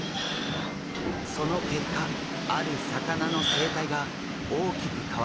その結果ある魚の生態が大きく変わってしまいました。